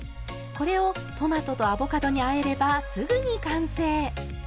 これをトマトとアボカドにあえればすぐに完成。